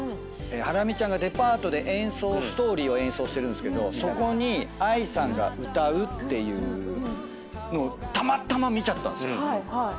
ハラミちゃんがデパートで『Ｓｔｏｒｙ』を演奏してるんですけどそこにＡＩさんが歌うってのをたまたま見ちゃったんですよ。